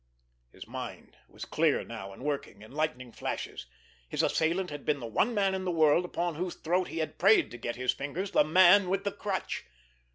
His mind was clear now and working in lightning flashes. His assailant had been the one man in the world upon whose throat he had prayed to get his fingers—the Man with the Crutch!